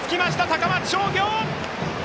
高松商業！